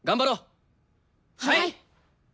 はい！